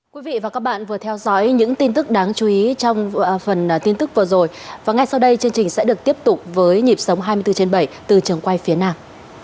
quý vị và các bạn vừa theo dõi những tin tức đáng chú ý trong phần tin tức vừa rồi và ngay sau đây chương trình sẽ được tiếp tục với nhịp sống hai mươi bốn trên bảy từ trường quay phía nam